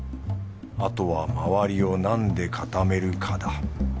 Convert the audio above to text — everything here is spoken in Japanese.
あとはまわりをなんで固めるかだ。